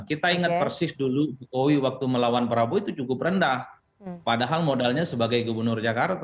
kita ingat persis dulu jokowi waktu melawan prabowo itu cukup rendah padahal modalnya sebagai gubernur jakarta